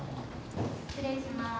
失礼します。